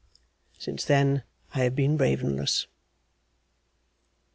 Since then I have been ravenless.